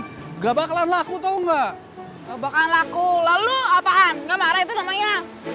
nggak bakalan laku tuh nggak gabakan laku lalu apaan nggak marah itu namanya